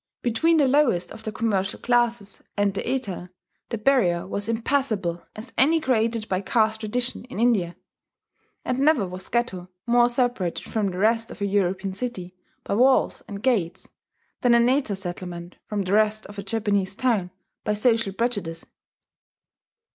Between the lowest of the commercial classes and the Eta, the barrier was impassable as any created by caste tradition in India; and never was Ghetto more separated from the rest of a European city by walls and gates, than an Eta settlement from the rest of a Japanese town by social prejudice.